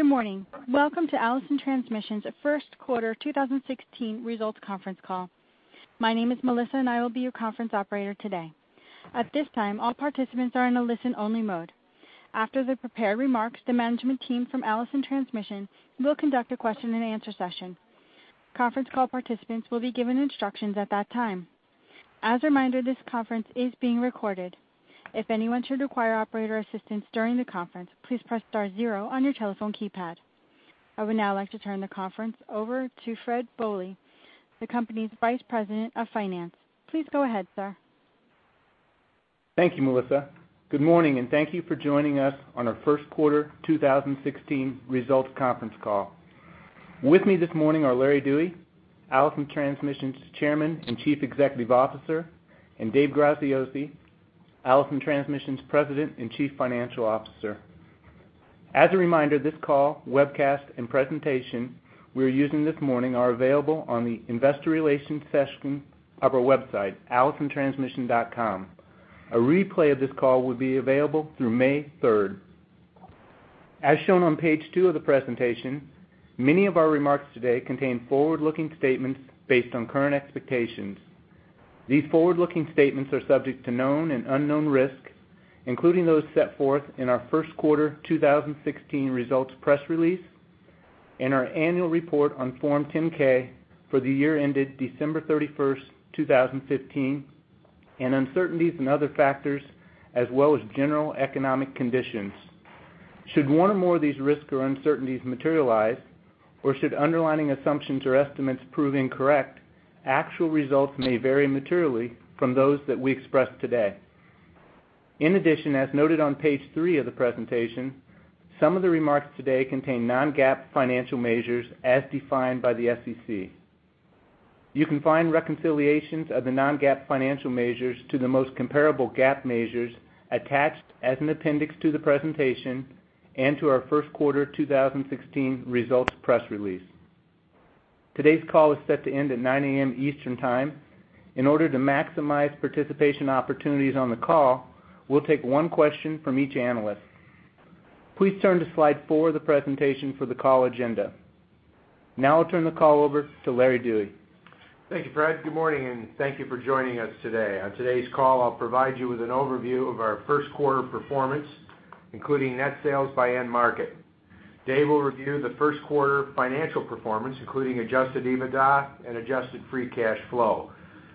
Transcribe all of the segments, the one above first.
Good morning. Welcome to Allison Transmission's first quarter 2016 results conference call. My name is Melissa, and I will be your conference operator today. At this time, all participants are in a listen-only mode. After the prepared remarks, the management team from Allison Transmission will conduct a question-and-answer session. Conference call participants will be given instructions at that time. As a reminder, this conference is being recorded. If anyone should require operator assistance during the conference, please press star zero on your telephone keypad. I would now like to turn the conference over to Fred Bohley, the company's Vice President of Finance. Please go ahead, sir. Thank you, Melissa. Good morning, and thank you for joining us on our first quarter 2016 results conference call. With me this morning are Larry Dewey, Allison Transmission's Chairman and Chief Executive Officer, and Dave Graziosi, Allison Transmission's President and Chief Financial Officer. As a reminder, this call, webcast, and presentation we're using this morning are available on the investor relations section of our website, allisontransmission.com. A replay of this call will be available through May 3. As shown on page two of the presentation, many of our remarks today contain forward-looking statements based on current expectations. These forward-looking statements are subject to known and unknown risks, including those set forth in our first quarter 2016 results press release and our annual report on Form 10-K for the year ended December 31, 2015, and uncertainties and other factors as well as general economic conditions. Should one or more of these risks or uncertainties materialize, or should underlying assumptions or estimates prove incorrect, actual results may vary materially from those that we express today. In addition, as noted on page three of the presentation, some of the remarks today contain non-GAAP financial measures as defined by the SEC. You can find reconciliations of the non-GAAP financial measures to the most comparable GAAP measures attached as an appendix to the presentation and to our first quarter 2016 results press release. Today's call is set to end at 9:00 A.M. Eastern Time. In order to maximize participation opportunities on the call, we'll take one question from each analyst. Please turn to slide four of the presentation for the call agenda. Now I'll turn the call over to Larry Dewey. Thank you, Fred. Good morning, and thank you for joining us today. On today's call, I'll provide you with an overview of our first-quarter performance, including net sales by end market. Dave will review the first-quarter financial performance, including Adjusted EBITDA and Adjusted Free Cash Flow.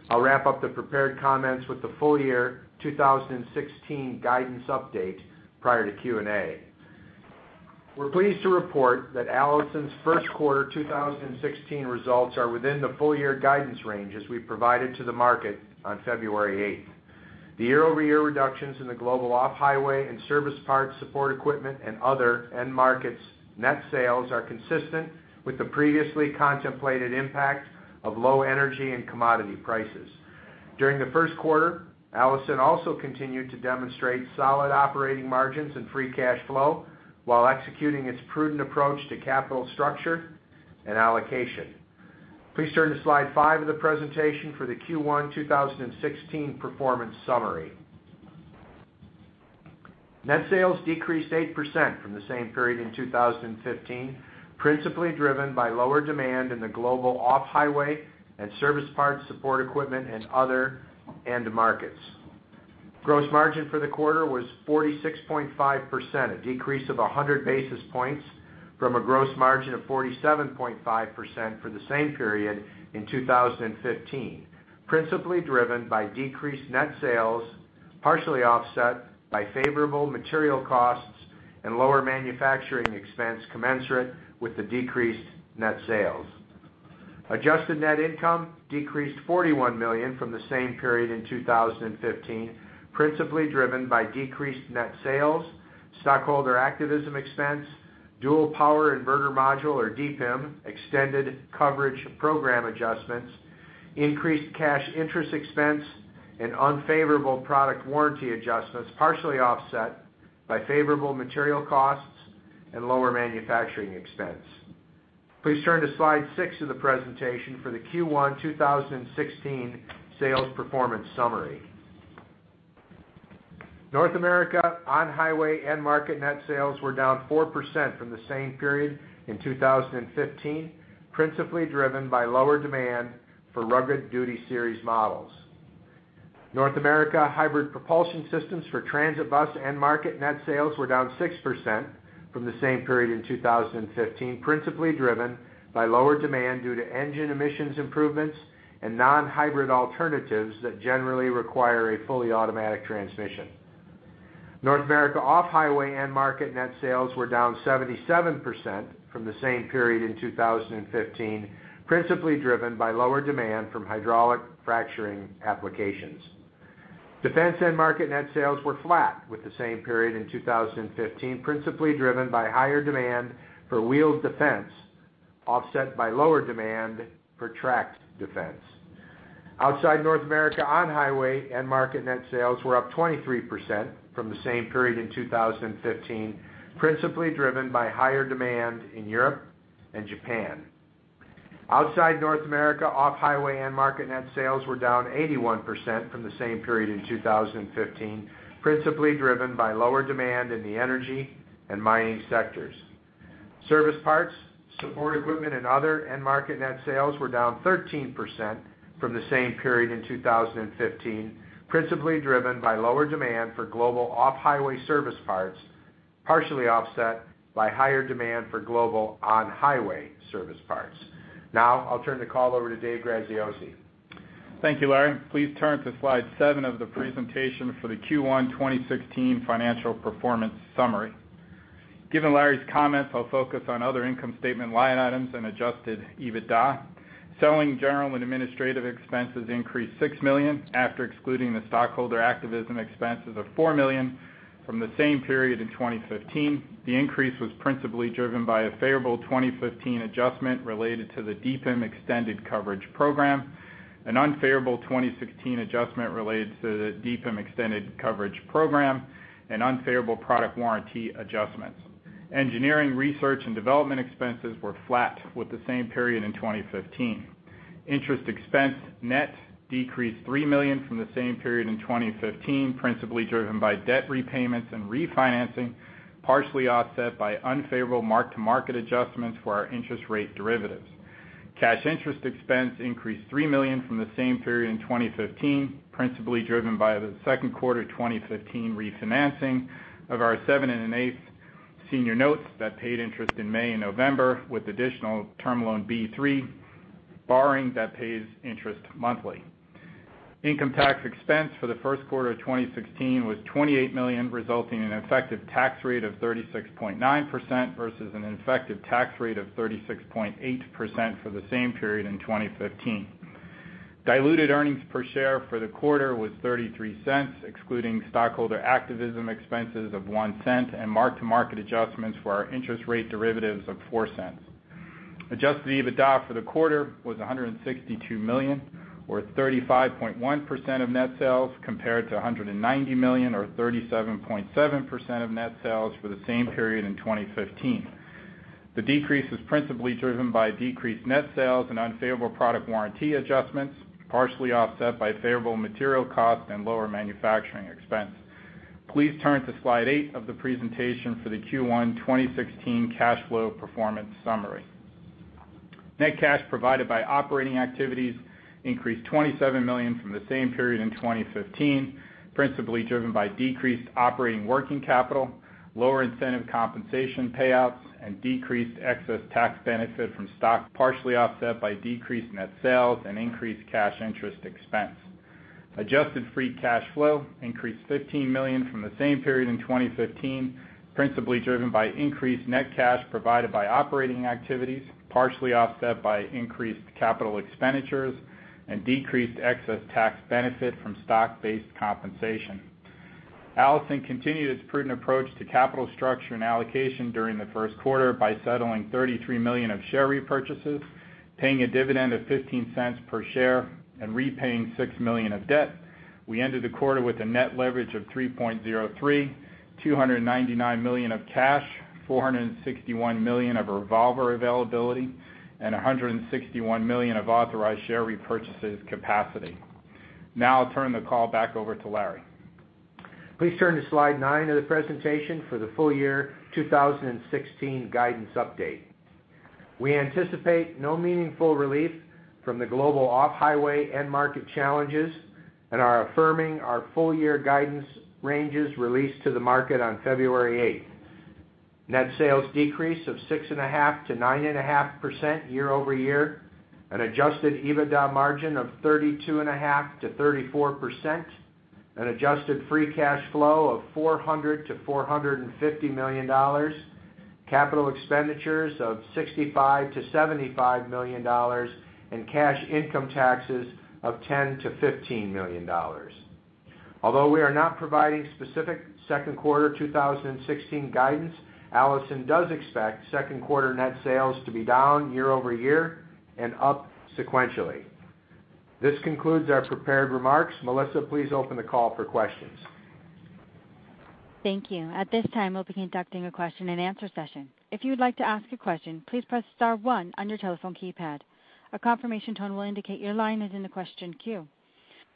I'll wrap up the prepared comments with the full-year 2016 guidance update prior to Q&A. We're pleased to report that Allison's first-quarter 2016 results are within the full-year guidance range as we provided to the market on February 8. The year-over-year reductions in the global off-highway and service parts, support equipment, and other end markets net sales are consistent with the previously contemplated impact of low energy and commodity prices. During the first quarter, Allison also continued to demonstrate solid operating margins and free cash flow while executing its prudent approach to capital structure and allocation. Please turn to slide five of the presentation for the Q1 2016 performance summary. Net sales decreased 8% from the same period in 2015, principally driven by lower demand in the global off-highway and service parts, support, equipment, and other end markets. Gross margin for the quarter was 46.5%, a decrease of 100 basis points from a gross margin of 47.5% for the same period in 2015, principally driven by decreased net sales, partially offset by favorable material costs and lower manufacturing expense commensurate with the decreased net sales. Adjusted net income decreased $41 million from the same period in 2015, principally driven by decreased net sales, stockholder activism expense, dual power inverter module, or DPIM, extended coverage program adjustments, increased cash interest expense, and unfavorable product warranty adjustments, partially offset by favorable material costs and lower manufacturing expense. Please turn to slide six of the presentation for the Q1 2016 sales performance summary. North America on-highway end market net sales were down 4% from the same period in 2015, principally driven by lower demand for Rugged Duty Series models. North America hybrid propulsion systems for transit bus end market net sales were down 6% from the same period in 2015, principally driven by lower demand due to engine emissions improvements and non-hybrid alternatives that generally require a fully automatic transmission. North America off-highway end market net sales were down 77% from the same period in 2015, principally driven by lower demand from hydraulic fracturing applications. Defense end market net sales were flat with the same period in 2015, principally driven by higher demand for wheeled defense, offset by lower demand for tracked defense. Outside North America, on-highway end market net sales were up 23% from the same period in 2015, principally driven by higher demand in Europe and Japan. Outside North America, off-highway end market net sales were down 81% from the same period in 2015, principally driven by lower demand in the energy and mining sectors. Service parts, support equipment, and other end market net sales were down 13% from the same period in 2015, principally driven by lower demand for global off-highway service parts, partially offset by higher demand for global on-highway service parts. Now, I'll turn the call over to Dave Graziosi. Thank you, Larry. Please turn to slide seven of the presentation for the Q1 2016 financial performance summary. Given Larry's comments, I'll focus on other income statement line items and Adjusted EBITDA. Selling, general, and administrative expenses increased $6 million, after excluding the stockholder activism expenses of $4 million from the same period in 2015. The increase was principally driven by a favorable 2015 adjustment related to the DPIM extended coverage program, an unfavorable 2016 adjustment related to the DPIM extended coverage program, and unfavorable product warranty adjustments. Engineering, research, and development expenses were flat with the same period in 2015. Interest expense net decreased $3 million from the same period in 2015, principally driven by debt repayments and refinancing, partially offset by unfavorable mark-to-market adjustments for our interest rate derivatives. Cash interest expense increased $3 million from the same period in 2015, principally driven by the second quarter 2015 refinancing of our 7 1/8 senior notes that paid interest in May and November, with additional Term Loan B3 borrowing that pays interest monthly. Income tax expense for the first quarter of 2016 was $28 million, resulting in an effective tax rate of 36.9% versus an effective tax rate of 36.8% for the same period in 2015. Diluted earnings per share for the quarter was $0.33, excluding stockholder activism expenses of $0.01 and mark-to-market adjustments for our interest rate derivatives of $0.04. Adjusted EBITDA for the quarter was $162 million, or 35.1% of net sales, compared to $190 million, or 37.7% of net sales for the same period in 2015. The decrease is principally driven by decreased net sales and unfavorable product warranty adjustments, partially offset by favorable material costs and lower manufacturing expense. Please turn to slide eight of the presentation for the Q1 2016 cash flow performance summary. Net cash provided by operating activities increased $27 million from the same period in 2015, principally driven by decreased operating working capital, lower incentive compensation payouts, and decreased excess tax benefit from stock, partially offset by decreased net sales and increased cash interest expense. Adjusted free cash flow increased $15 million from the same period in 2015, principally driven by increased net cash provided by operating activities, partially offset by increased capital expenditures and decreased excess tax benefit from stock-based compensation. Allison continued its prudent approach to capital structure and allocation during the first quarter by settling $33 million of share repurchases, paying a dividend of $0.15 per share, and repaying $6 million of debt. We ended the quarter with a net leverage of $3.03 million, $299 million of cash, $461 million of revolver availability, and $161 million of authorized share repurchases capacity. Now I'll turn the call back over to Larry. Please turn to slide nine of the presentation for the full year 2016 guidance update. We anticipate no meaningful relief from the global off-highway end market challenges and are affirming our full year guidance ranges released to the market on February 8. Net sales decrease of 6.5%-9.5% year-over-year, an Adjusted EBITDA margin of 32.5%-34%, an Adjusted Free Cash Flow of $400 million-$450 million, capital expenditures of $65 million-$75 million, and cash income taxes of $10 million-$15 million. Although we are not providing specific second quarter 2016 guidance, Allison does expect second quarter net sales to be down year-over-year and up sequentially. This concludes our prepared remarks. Melissa, please open the call for questions. Thank you. At this time, we'll be conducting a question-and-answer session. If you would like to ask a question, please press star one on your telephone keypad. A confirmation tone will indicate your line is in the question queue.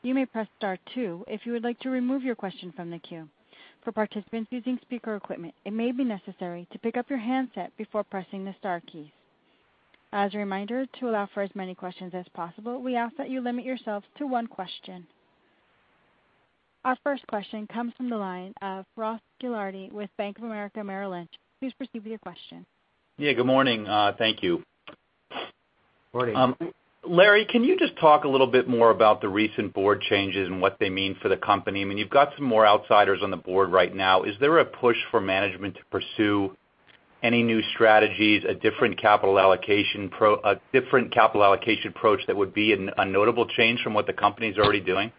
You may press star two if you would like to remove your question from the queue. For participants using speaker equipment, it may be necessary to pick up your handset before pressing the star keys. As a reminder, to allow for as many questions as possible, we ask that you limit yourselves to one question. Our first question comes from the line of Ross Gilardi with Bank of America Merrill Lynch. Please proceed with your question. Yeah, good morning. Thank you. Morning. Larry, can you just talk a little bit more about the recent board changes and what they mean for the company? I mean, you've got some more outsiders on the board right now. Is there a push for management to pursue any new strategies, a different capital allocation approach that would be a notable change from what the company's already doing?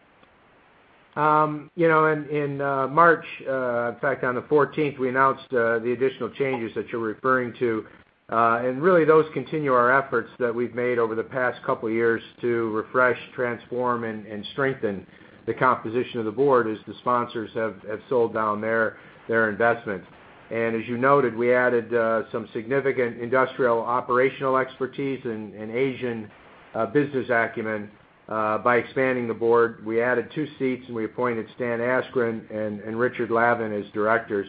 You know, in March, in fact, on the fourteenth, we announced the additional changes that you're referring to. And really, those continue our efforts that we've made over the past couple of years to refresh, transform, and strengthen the composition of the board as the sponsors have sold down their investment. And as you noted, we added some significant industrial operational expertise and Asian business acumen by expanding the board. We added two seats, and we appointed Stan Askren and Richard Lavin as directors.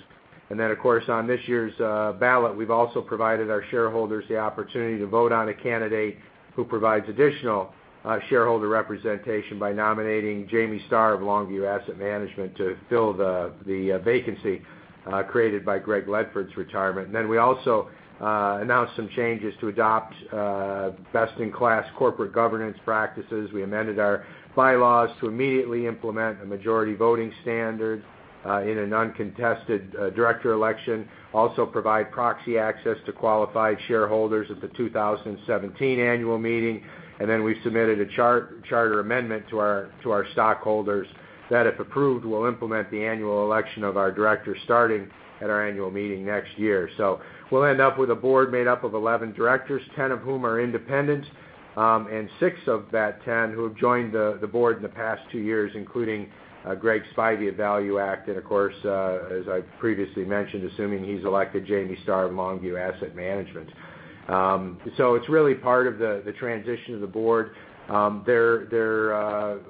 And then, of course, on this year's ballot, we've also provided our shareholders the opportunity to vote on a candidate who provides additional shareholder representation by nominating Jamie Starr of Longview Asset Management to fill the vacancy created by Greg Ledford's retirement. Then we also announced some changes to adopt best-in-class corporate governance practices. We amended our bylaws to immediately implement a majority voting standard in an uncontested director election. Also provide proxy access to qualified shareholders at the 2017 annual meeting, and then we submitted a charter amendment to our stockholders, that, if approved, will implement the annual election of our directors starting at our annual meeting next year. So we'll end up with a board made up of 11 directors, 10 of whom are independent, and six of that 10 who have joined the board in the past years, including Greg Spivy of ValueAct, and of course, as I previously mentioned, assuming he's elected, Jamie Star of Longview Asset Management. So it's really part of the transition of the board.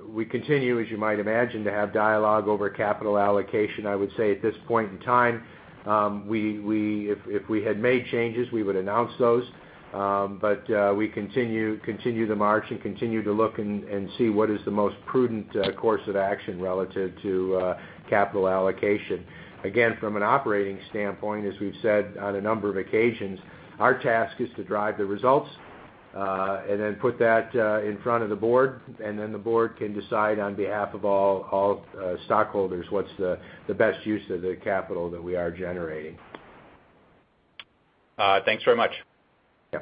We continue, as you might imagine, to have dialogue over capital allocation. I would say at this point in time, if we had made changes, we would announce those. But we continue the march and continue to look and see what is the most prudent course of action relative to capital allocation. Again, from an operating standpoint, as we've said on a number of occasions, our task is to drive the results and then put that in front of the board, and then the board can decide on behalf of all stockholders what's the best use of the capital that we are generating. Thanks very much. Yeah.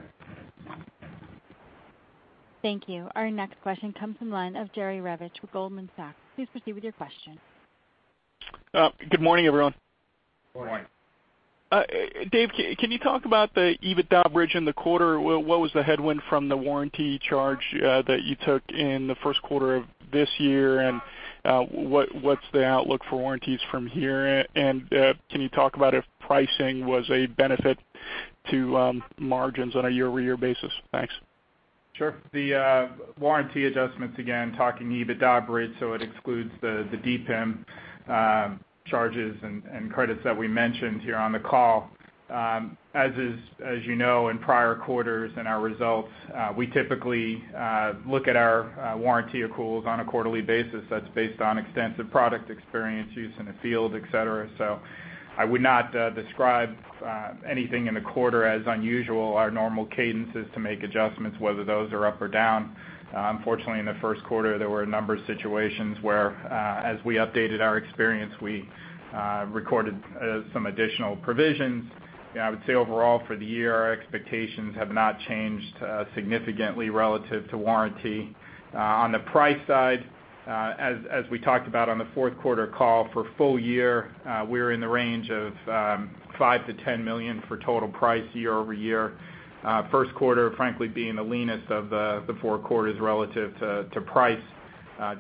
Thank you. Our next question comes from the line of Jerry Revich with Goldman Sachs. Please proceed with your question. Good morning, everyone. Morning. Morning. Dave, can you talk about the EBITDA bridge in the quarter? What was the headwind from the warranty charge that you took in the first quarter of this year? And, what's the outlook for warranties from here? And, can you talk about if pricing was a benefit to margins on a year-over-year basis? Thanks. Sure. The warranty adjustments, again, talking EBITDA rates, so it excludes the DPIM charges and credits that we mentioned here on the call. As is, as you know, in prior quarters in our results, we typically look at our warranty accruals on a quarterly basis. That's based on extensive product experience use in the field, et cetera. So I would not describe anything in the quarter as unusual. Our normal cadence is to make adjustments, whether those are up or down. Unfortunately, in the first quarter, there were a number of situations where, as we updated our experience, we recorded some additional provisions. I would say overall for the year, our expectations have not changed significantly relative to warranty. On the price side, as we talked about on the fourth quarter call, for full year, we're in the range of $5 million-$10 million for total price year-over-year. First quarter, frankly, being the leanest of the four quarters relative to price,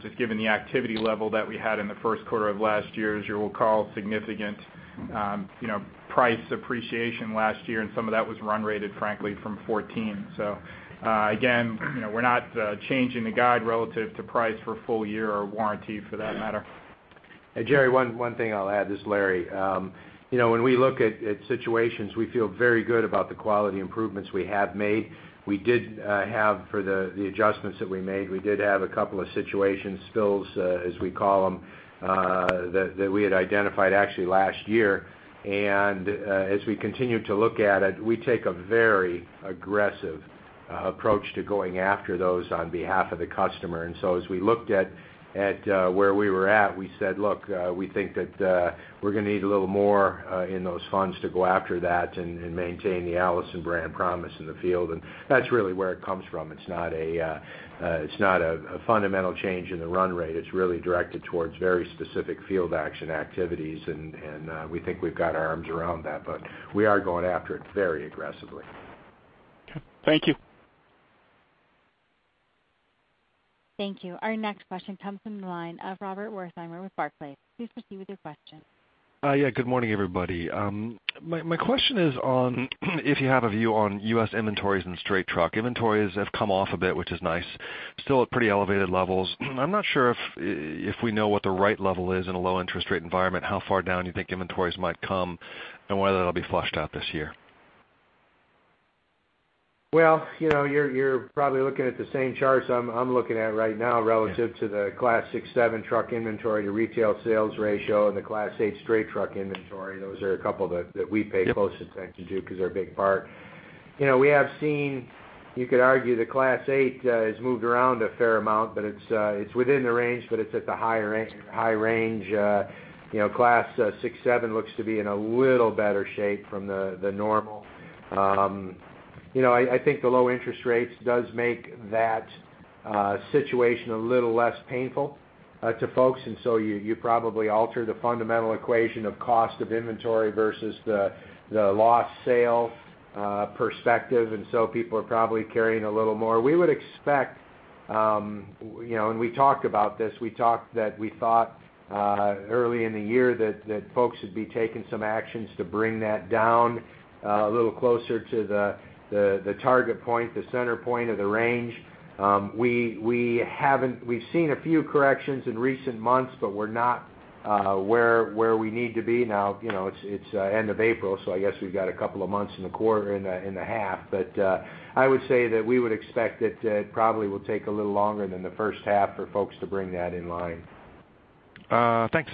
just given the activity level that we had in the first quarter of last year, as you'll recall, significant, you know, price appreciation last year, and some of that was run-rated, frankly, from 2014. So, again, you know, we're not changing the guide relative to price for full year or warranty for that matter. Hey, Jerry, one thing I'll add, this is Larry. You know, when we look at situations, we feel very good about the quality improvements we have made. We did have for the adjustments that we made, we did have a couple of situations, spills, as we call them, that we had identified actually last year. And as we continue to look at it, we take a very aggressive approach to going after those on behalf of the customer. And so as we looked at where we were at, we said, "Look, we think that we're gonna need a little more in those funds to go after that and maintain the Allison brand promise in the field." And that's really where it comes from. It's not a fundamental change in the run rate. It's really directed towards very specific field action activities, and we think we've got our arms around that, but we are going after it very aggressively. Okay. Thank you. Thank you. Our next question comes from the line of Rob Wertheimer with Barclays. Please proceed with your question. Yeah, good morning, everybody. My question is on if you have a view on U.S. inventories and straight truck. Inventories have come off a bit, which is nice, still at pretty elevated levels. I'm not sure if we know what the right level is in a low interest rate environment, how far down you think inventories might come, and whether that'll be flushed out this year? Well, you know, you're probably looking at the same charts I'm looking at right now relative to the Class 6, 7 truck inventory, the retail sales ratio, and the Class 8 straight truck inventory. Those are a couple that we pay close attention to because they're a big part. You know, we have seen, you could argue, the Class 8 has moved around a fair amount, but it's within the range, but it's at the higher range, high range, you know, Class 6, 7 looks to be in a little better shape from the normal. You know, I think the low interest rates does make that situation a little less painful to folks, and so you probably alter the fundamental equation of cost of inventory versus the lost sales perspective, and so people are probably carrying a little more. We would expect You know, and we talked about this. We talked that we thought early in the year that folks would be taking some actions to bring that down a little closer to the target point, the center point of the range. We haven't. We've seen a few corrections in recent months, but we're not where we need to be now. You know, it's end of April, so I guess we've got a couple of months in the quarter, in the half. But I would say that we would expect it probably will take a little longer than the first half for folks to bring that in line. Thanks.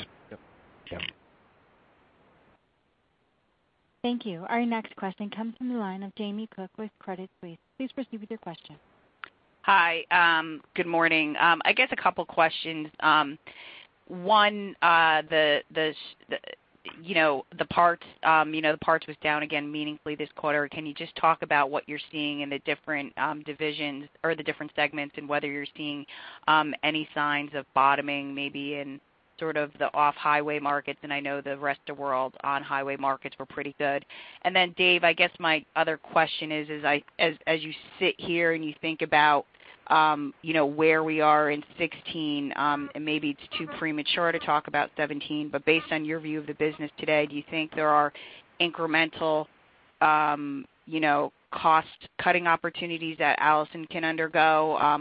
Yep. Yeah. Thank you. Our next question comes from the line of Jamie Cook with Credit Suisse. Please proceed with your question. Hi, good morning. I guess a couple questions. One, you know, the parts was down again meaningfully this quarter. Can you just talk about what you're seeing in the different divisions or the different segments, and whether you're seeing any signs of bottoming, maybe in sort of the off-highway markets? And I know the rest of world on-highway markets were pretty good. And then, Dave, I guess my other question is, as I—as you sit here and you think about, you know, where we are in 2016, and maybe it's too premature to talk about 2017, but based on your view of the business today, do you think there are incremental, you know, cost-cutting opportunities that Allison can undergo?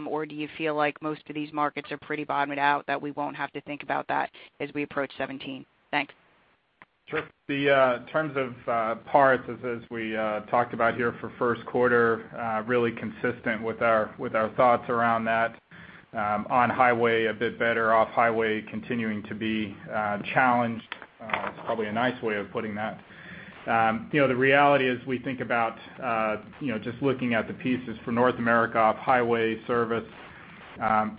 or do you feel like most of these markets are pretty bottomed out, that we won't have to think about that as we approach 2017? Thanks. Sure. The terms of parts, as we talked about here for first quarter, really consistent with our thoughts around that. On-highway a bit better, off-highway continuing to be challenged is probably a nice way of putting that. You know, the reality is, we think about you know, just looking at the pieces for North America off-highway service,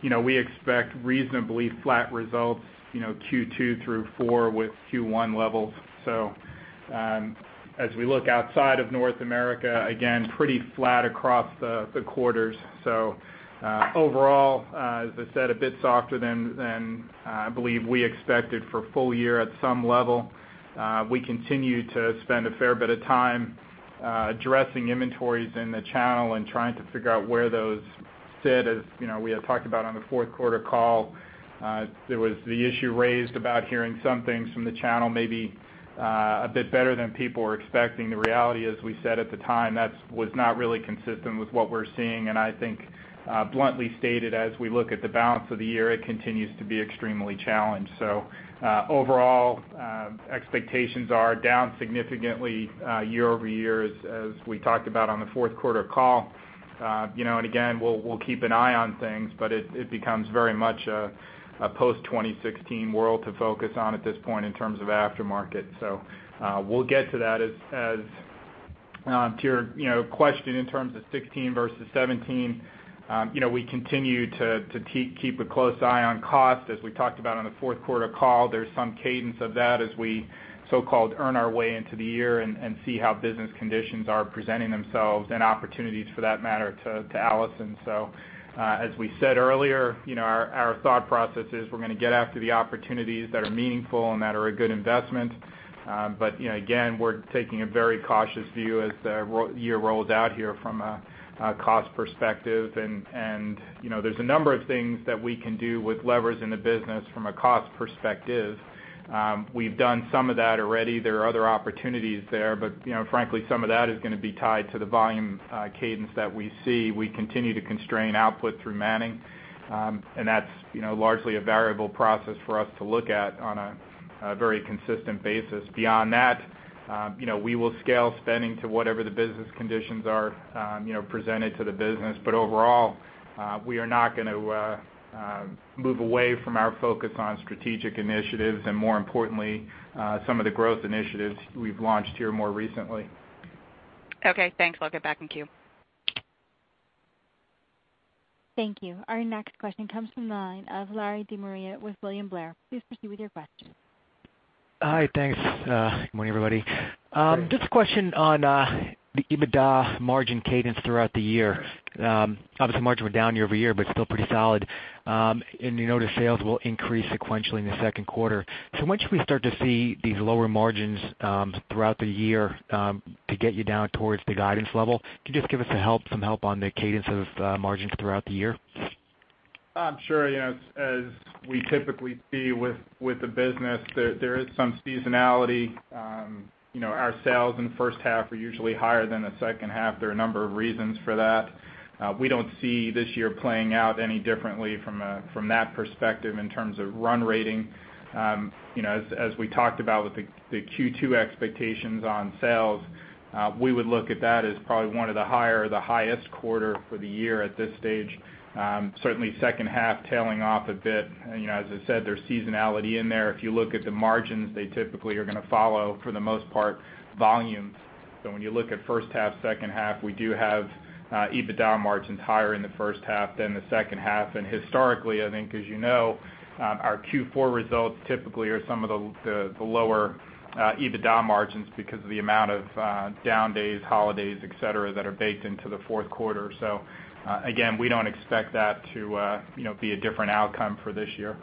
you know, we expect reasonably flat results, you know, Q2 through four with Q1 levels. So, as we look outside of North America, again, pretty flat across the quarters. So, overall, as I said, a bit softer than I believe we expected for full year at some level. We continue to spend a fair bit of time addressing inventories in the channel and trying to figure out where those sit. As you know, we had talked about on the fourth quarter call, there was the issue raised about hearing some things from the channel, maybe, a bit better than people were expecting. The reality, as we said at the time, that was not really consistent with what we're seeing, and I think, bluntly stated, as we look at the balance of the year, it continues to be extremely challenged. So, overall, expectations are down significantly, year-over-year, as we talked about on the fourth quarter call. You know, and again, we'll keep an eye on things, but it becomes very much a post-2016 world to focus on at this point in terms of aftermarket. So, we'll get to that. To your, you know, question in terms of 2016 versus 2017, you know, we continue to keep a close eye on cost. As we talked about on the fourth quarter call, there's some cadence of that as we so-called earn our way into the year and see how business conditions are presenting themselves and opportunities for that matter to Allison. So, as we said earlier, you know, our thought process is we're gonna get after the opportunities that are meaningful and that are a good investment. But, you know, again, we're taking a very cautious view as the year rolls out here from a cost perspective. And, you know, there's a number of things that we can do with levers in the business from a cost perspective. We've done some of that already. There are other opportunities there, but, you know, frankly, some of that is gonna be tied to the volume, cadence that we see. We continue to constrain output through manning, and that's, you know, largely a variable process for us to look at on a very consistent basis. Beyond that, you know, we will scale spending to whatever the business conditions are, you know, presented to the business. But overall, we are not gonna move away from our focus on strategic initiatives and more importantly, some of the growth initiatives we've launched here more recently. Okay, thanks. We'll get back in queue. Thank you. Our next question comes from the line of Larry De Maria with William Blair. Please proceed with your question. Hi, thanks. Good morning, everybody. Good morning. Just a question on the EBITDA margin cadence throughout the year. Obviously, margin were down year-over-year, but still pretty solid. And you noted sales will increase sequentially in the second quarter. So when should we start to see these lower margins throughout the year to get you down towards the guidance level? Can you just give us a help-- some help on the cadence of margins throughout the year? Sure. You know, as we typically see with the business, there is some seasonality. You know, our sales in the first half are usually higher than the second half. There are a number of reasons for that. We don't see this year playing out any differently from that perspective in terms of run rating. You know, as we talked about with the Q2 expectations on sales, we would look at that as probably one of the higher, the highest quarter for the year at this stage. Certainly second half tailing off a bit. You know, as I said, there's seasonality in there. If you look at the margins, they typically are gonna follow, for the most part, volumes. So when you look at first half, second half, we do have EBITDA margins higher in the first half than the second half. And historically, I think, as you know, our Q4 results typically are some of the lower EBITDA margins because of the amount of down days, holidays, et cetera, that are baked into the fourth quarter. So, again, we don't expect that to, you know, be a different outcome for this year.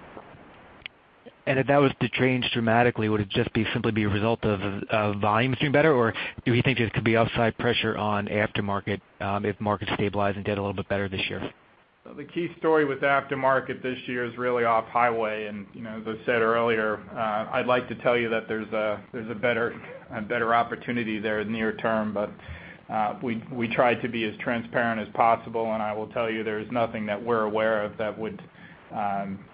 And if that was to change dramatically, would it just simply be a result of volumes doing better, or do we think it could be outside pressure on aftermarket, if markets stabilize and did a little bit better this year? The key story with aftermarket this year is really off-highway. You know, as I said earlier, I'd like to tell you that there's a better opportunity there near term, but we try to be as transparent as possible, and I will tell you there is nothing that we're aware of that would,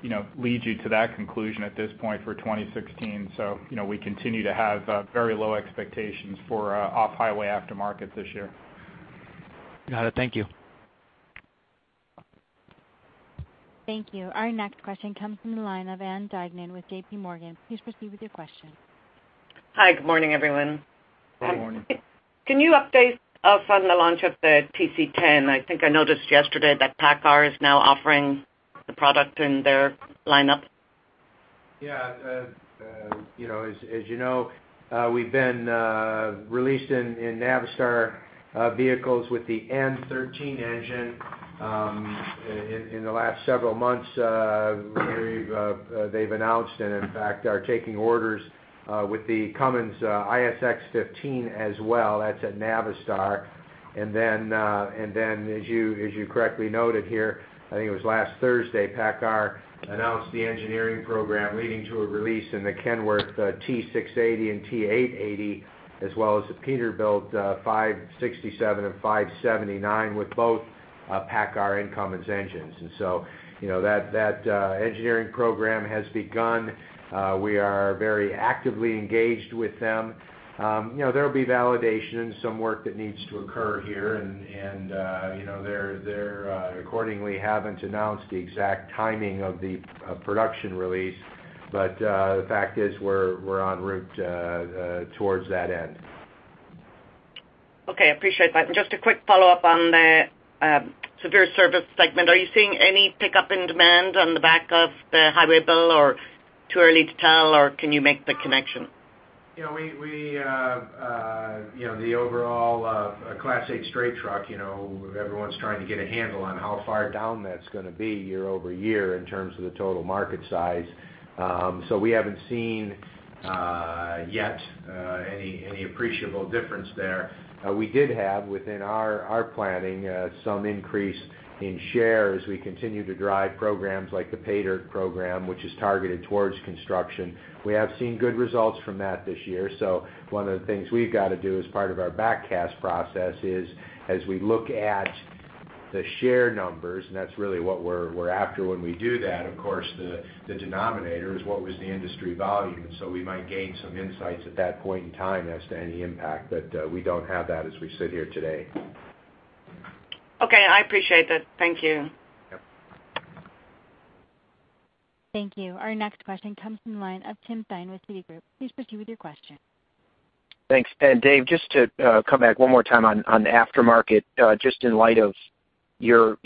you know, lead you to that conclusion at this point for 2016. So, you know, we continue to have very low expectations for off-highway aftermarket this year. Got it. Thank you. Thank you. Our next question comes from the line of Ann Duignan with JPMorgan. Please proceed with your question. Hi, good morning, everyone. Good morning. Can you update us on the launch of the TC10? I think I noticed yesterday that PACCAR is now offering the product in their lineup. Yeah, you know, as you know, we've been released in Navistar vehicles with the N13 engine. In the last several months, they've announced, and in fact, are taking orders with the Cummins ISX15 as well. That's at Navistar. And then, as you correctly noted here, I think it was last Thursday, PACCAR announced the engineering program leading to a release in the Kenworth T680 and T880, as well as the Peterbilt 567 and 579, with both PACCAR and Cummins engines. And so, you know, that engineering program has begun. We are very actively engaged with them. You know, there'll be validation and some work that needs to occur here, and you know, they accordingly haven't announced the exact timing of the production release, but the fact is, we're en route towards that end. Okay, appreciate that. Just a quick follow-up on the severe service segment. Are you seeing any pickup in demand on the back of the highway bill, or too early to tell, or can you make the connection? You know, we you know, the overall Class A straight truck, you know, everyone's trying to get a handle on how far down that's gonna be year-over-year in terms of the total market size. So we haven't seen yet any appreciable difference there. We did have within our planning some increase in share as we continue to drive programs like the PayDirt program, which is targeted towards construction. We have seen good results from that this year. So one of the things we've got to do as part of our backcast process is, as we look at the share numbers, and that's really what we're after when we do that, of course, the denominator is what was the industry volume. So we might gain some insights at that point in time as to any impact, but we don't have that as we sit here today. Okay, I appreciate that. Thank you. Yep. Thank you. Our next question comes from the line of Tim Thein with Citigroup. Please proceed with your question. Thanks. And Dave, just to come back one more time on the aftermarket, just in light of your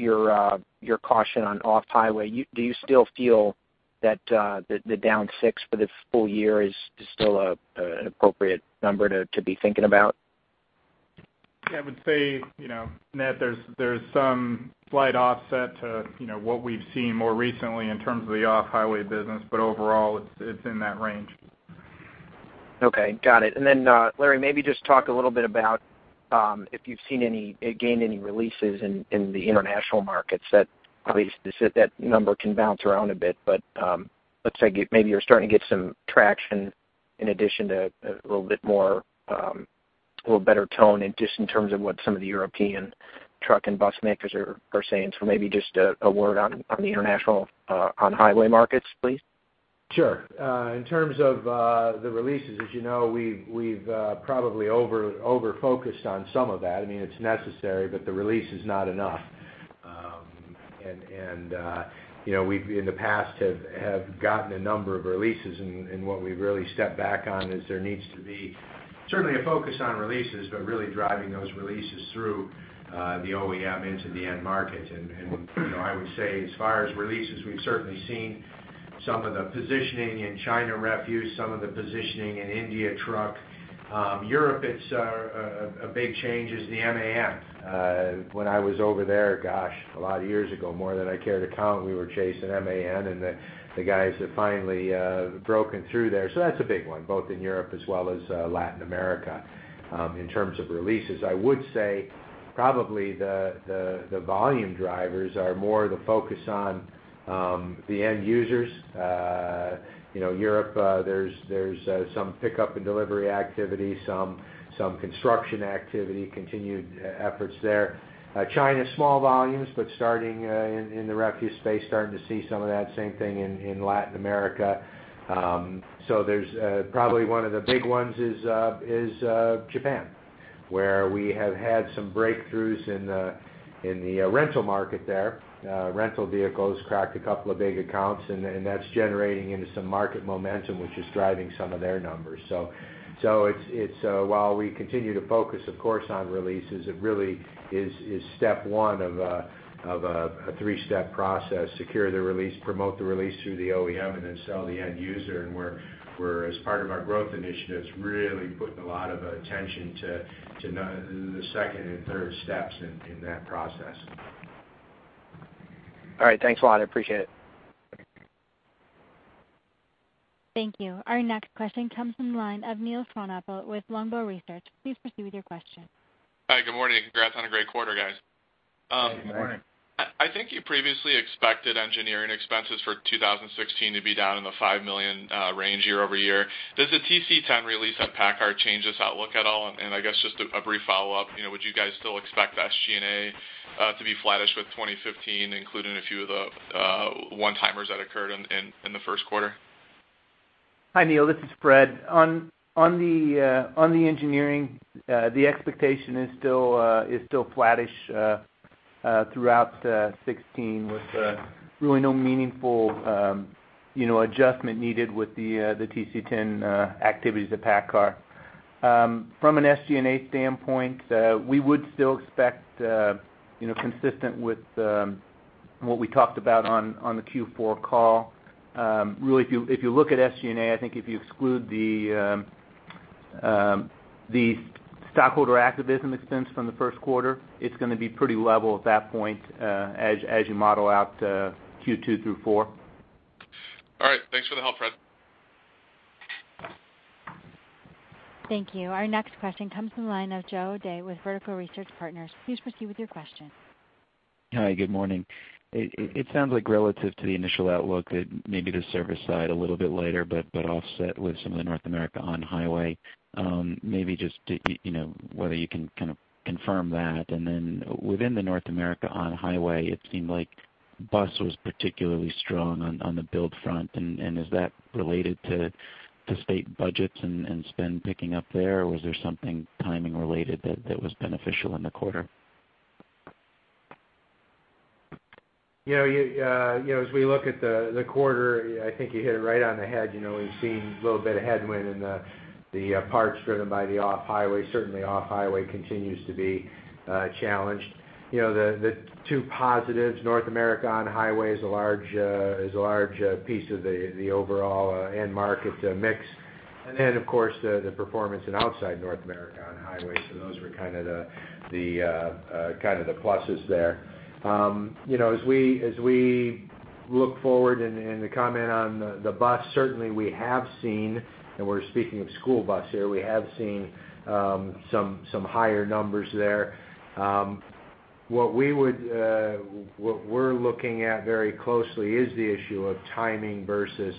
caution on off-highway, do you still feel that the down 6% for the full year is still an appropriate number to be thinking about? Yeah, I would say, you know, Matt, there's, there's some slight offset to, you know, what we've seen more recently in terms of the off-highway business, but overall, it's, it's in that range. Okay, got it. Larry, maybe just talk a little bit about if you've seen any releases in the international markets, that at least that number can bounce around a bit. Let's say, maybe you're starting to get some traction in addition to a little bit more, a little better tone in terms of what some of the European truck and bus makers are saying. Maybe just a word on the international on-highway markets, please. Sure. In terms of the releases, as you know, we've probably over-focused on some of that. I mean, it's necessary, but the release is not enough. And you know, we've in the past have gotten a number of releases, and what we've really stepped back on is there needs to be certainly a focus on releases, but really driving those releases through the OEM into the end market. And you know, I would say as far as releases, we've certainly seen some of the positioning in China refuse, some of the positioning in India truck. Europe, it's a big change is the MAN. When I was over there, gosh, a lot of years ago, more than I care to count, we were chasing MAN, and the guys have finally broken through there. So that's a big one, both in Europe as well as, Latin America. In terms of releases, I would say probably the volume drivers are more the focus on, the end users. You know, Europe, there's some pickup in delivery activity, some construction activity, continued efforts there. China, small volumes, but starting in the refuse space, starting to see some of that same thing in Latin America. So there's probably one of the big ones is Japan, where we have had some breakthroughs in the rental market there. Rental vehicles cracked a couple of big accounts, and that's generating into some market momentum, which is driving some of their numbers. So, it's while we continue to focus, of course, on releases, it really is step one of a three-step process, secure the release, promote the release through the OEM, and then sell the end user. And we're, as part of our growth initiatives, really putting a lot of attention to the second and third steps in that process. All right, thanks a lot. I appreciate it. Thank you. Our next question comes from the line of Neil Frohnapple with Longbow Research. Please proceed with your question. Hi, good morning, and congrats on a great quarter, guys. Good morning. I think you previously expected engineering expenses for 2016 to be down in the $5 million range year-over-year. Does the TC10 release at PACCAR change this outlook at all? And I guess just a brief follow-up, you know, would you guys still expect SG&A to be flattish with 2015, including a few of the one-timers that occurred in the first quarter? Hi, Neil, this is Fred. On the engineering, the expectation is still flattish throughout 2016, with really no meaningful, you know, adjustment needed with the TC10 activities at PACCAR. From an SG&A standpoint, we would still expect, you know, consistent with what we talked about on the Q4 call. Really, if you look at SG&A, I think if you exclude the stockholder activism expense from the first quarter, it's gonna be pretty level at that point, as you model out Q2 through Q4. All right, thanks for the help. Thank you. Our next question comes from the line of Joe O'Dea with Vertical Research Partners. Please proceed with your question. Hi, good morning. It sounds like relative to the initial outlook that maybe the service side, a little bit later, but offset with some of the North America on highway. Maybe just, you know, whether you can kind of confirm that. And then within the North America on highway, it seemed like bus was particularly strong on the build front. And is that related to state budgets and spend picking up there? Or was there something timing related that was beneficial in the quarter? You know, you know, as we look at the quarter, I think you hit it right on the head. You know, we've seen a little bit of headwind in the parts driven by the off-highway. Certainly, off-highway continues to be challenged. You know, the two positives, North America on-highway is a large piece of the overall end market mix. And then, of course, the performance in outside North America on-highway. So those were kind of the pluses there. You know, as we look forward and to comment on the bus, certainly we have seen, and we're speaking of school bus here, we have seen some higher numbers there. What we're looking at very closely is the issue of timing versus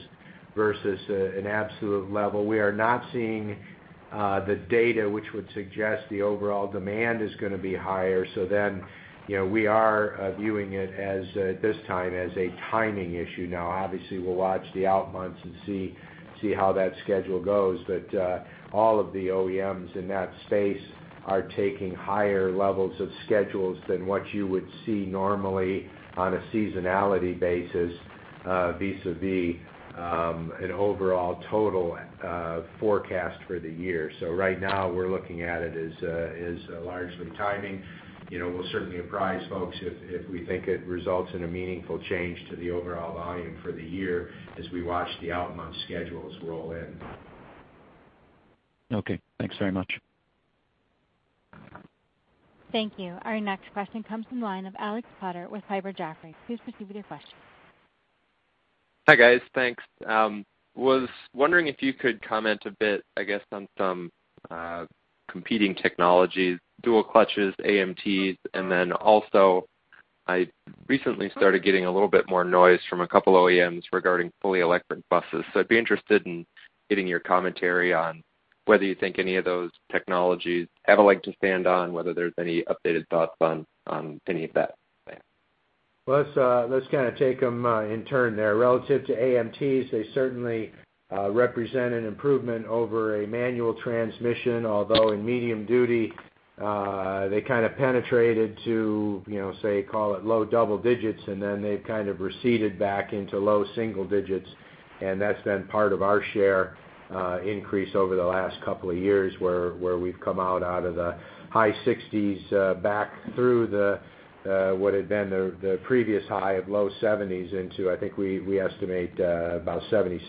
an absolute level. We are not seeing the data, which would suggest the overall demand is gonna be higher. So then, you know, we are viewing it as, at this time, as a timing issue. Now, obviously, we'll watch the out months and see how that schedule goes. But all of the OEMs in that space are taking higher levels of schedules than what you would see normally on a seasonality basis, vis-a-vis, an overall total forecast for the year. So right now, we're looking at it as largely timing. You know, we'll certainly apprise folks if we think it results in a meaningful change to the overall volume for the year as we watch the out-month schedules roll in. Okay, thanks very much. Thank you. Our next question comes from the line of Alex Potter with Piper Jaffray. Please proceed with your question. Hi, guys. Thanks. Was wondering if you could comment a bit, I guess, on some competing technologies, dual clutches, AMTs, and then also, I recently started getting a little bit more noise from a couple OEMs regarding fully electric buses. So I'd be interested in getting your commentary on whether you think any of those technologies have a leg to stand on, whether there's any updated thoughts on any of that plan. Well, let's kind of take them in turn there. Relative to AMTs, they certainly represent an improvement over a manual transmission, although in medium duty, they kind of penetrated to, you know, say, call it low double digits, and then they've kind of receded back into low single digits, and that's been part of our share increase over the last couple of years, where we've come out of the high sixties back through the what had been the previous high of low seventies into I think we estimate about 76%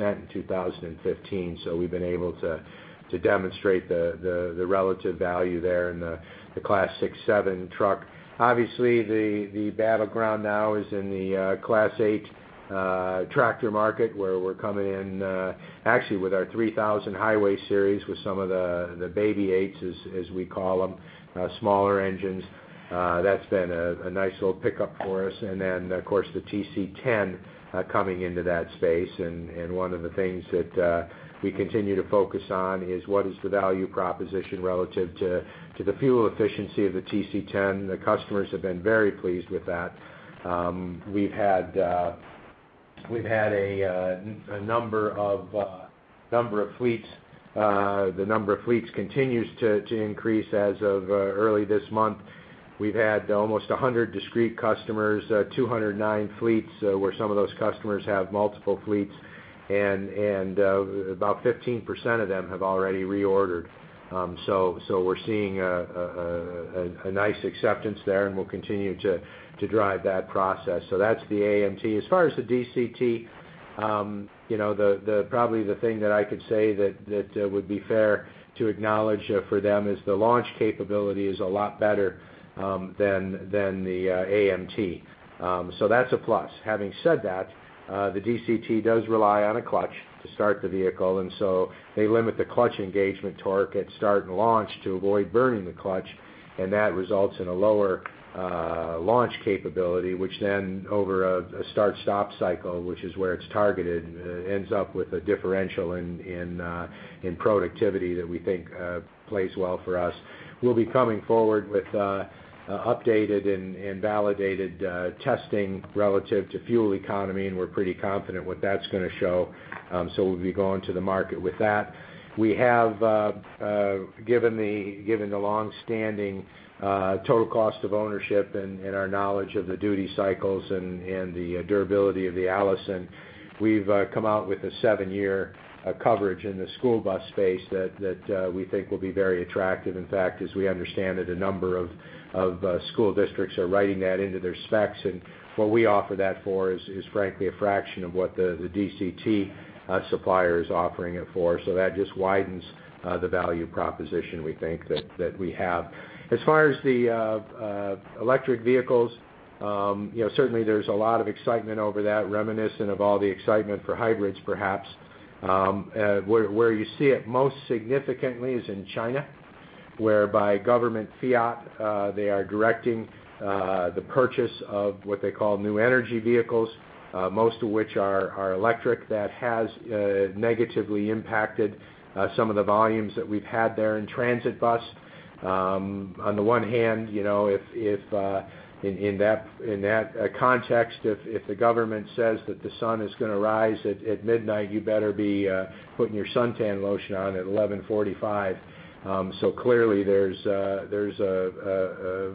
in 2015. So we've been able to demonstrate the relative value there in the Class 6, 7 truck. Obviously, the battleground now is in the Class 8 tractor market, where we're coming in, actually with our 3000 Highway Series, with some of the baby 8s, as we call them, smaller engines. That's been a nice little pickup for us. And then, of course, the TC10 coming into that space. And one of the things that we continue to focus on is what is the value proposition relative to the fuel efficiency of the TC10. The customers have been very pleased with that. We've had a number of fleets, the number of fleets continues to increase. As of early this month, we've had almost 100 discrete customers, 209 fleets, where some of those customers have multiple fleets, and about 15% of them have already reordered. So we're seeing a nice acceptance there, and we'll continue to drive that process. So that's the AMT. As far as the DCT... You know, the probably the thing that I could say that would be fair to acknowledge for them is the launch capability is a lot better than the AMT. So that's a plus. Having said that, the DCT does rely on a clutch to start the vehicle, and so they limit the clutch engagement torque at start and launch to avoid burning the clutch, and that results in a lower launch capability, which then over a start-stop cycle, which is where it's targeted, ends up with a differential in productivity that we think plays well for us. We'll be coming forward with updated and validated testing relative to fuel economy, and we're pretty confident what that's gonna show. So we'll be going to the market with that. We have given the, given the long-standing total cost of ownership and our knowledge of the duty cycles and the durability of the Allison, we've come out with a seven-year coverage in the school bus space that we think will be very attractive. In fact, as we understand it, a number of school districts are writing that into their specs, and what we offer that for is frankly a fraction of what the DCT supplier is offering it for, so that just widens the value proposition we think that we have. As far as the electric vehicles, you know, certainly there's a lot of excitement over that, reminiscent of all the excitement for hybrids, perhaps. Where you see it most significantly is in China, whereby government fiat, they are directing the purchase of what they call new energy vehicles, most of which are electric. That has negatively impacted some of the volumes that we've had there in transit bus. On the one hand, you know, if in that context, if the government says that the sun is gonna rise at midnight, you better be putting your suntan lotion on at 11:45 P.M. So clearly, there's a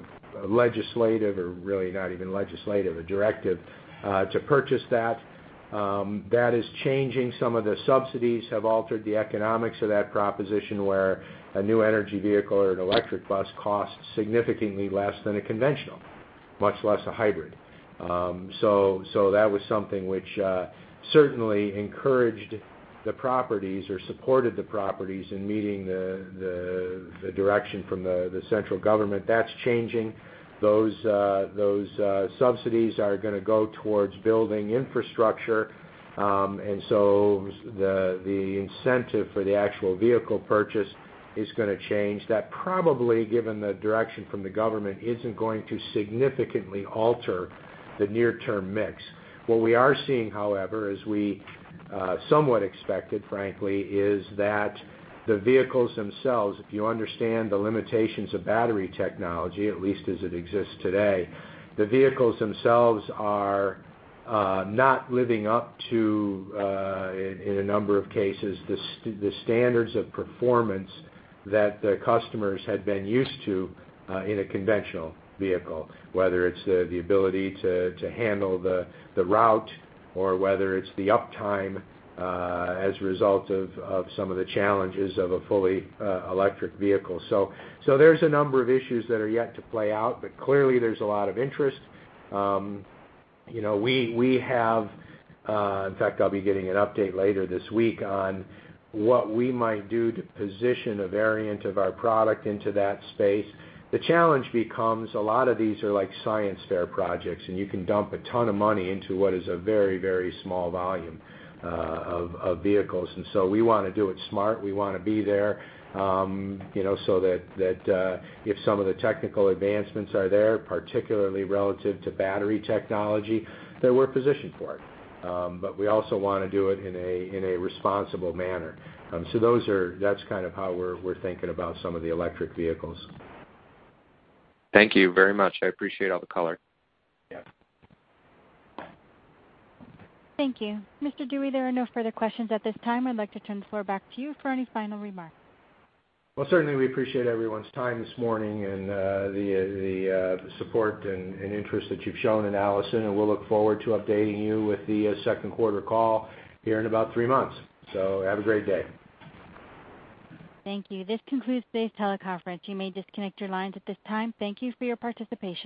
legislative or really not even legislative, a directive to purchase that. That is changing. Some of the subsidies have altered the economics of that proposition, where a new energy vehicle or an electric bus costs significantly less than a conventional, much less a hybrid. So that was something which certainly encouraged the properties or supported the properties in meeting the direction from the central government. That's changing. Those subsidies are gonna go towards building infrastructure, and so the incentive for the actual vehicle purchase is gonna change. That probably, given the direction from the government, isn't going to significantly alter the near-term mix. What we are seeing, however, as we somewhat expected, frankly, is that the vehicles themselves, if you understand the limitations of battery technology, at least as it exists today, the vehicles themselves are not living up to, in a number of cases, the standards of performance that the customers had been used to in a conventional vehicle, whether it's the ability to handle the route or whether it's the uptime as a result of some of the challenges of a fully electric vehicle. So there's a number of issues that are yet to play out, but clearly there's a lot of interest. You know, we have. In fact, I'll be getting an update later this week on what we might do to position a variant of our product into that space. The challenge becomes a lot of these are like science fair projects, and you can dump a ton of money into what is a very, very small volume of vehicles. So we wanna do it smart. We wanna be there, you know, so that if some of the technical advancements are there, particularly relative to battery technology, that we're positioned for it. But we also wanna do it in a responsible manner. Those are. That's kind of how we're thinking about some of the electric vehicles. Thank you very much. I appreciate all the color. Yeah. Thank you. Mr. Dewey, there are no further questions at this time. I'd like to turn the floor back to you for any final remarks. Well, certainly we appreciate everyone's time this morning and the support and interest that you've shown in Allison, and we'll look forward to updating you with the second quarter call here in about three months. So have a great day. Thank you. This concludes today's teleconference. You may disconnect your lines at this time. Thank you for your participation.